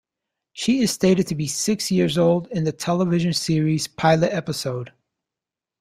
She is stated to be six years old in the television series' pilot episode.